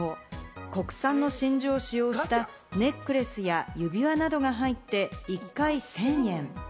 国産の真珠を使用したネックレスや指輪などが入って、１回１０００円。